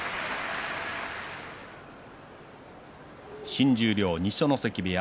新十両、二所ノ関部屋